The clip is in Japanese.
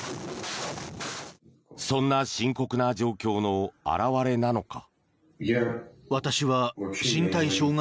そんな深刻な状況の表れなのか。